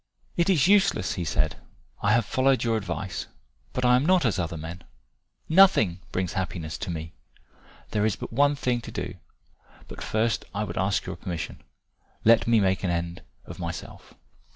"It is useless," he said. "I have followed your advice. But I am not as other men. Nothing brings happiness to me. There is but one thing to do, but first I would ask your permission. Let me make an end of myself."